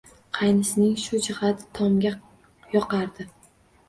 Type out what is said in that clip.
Qaynisining shu jihati Tomga yoqardi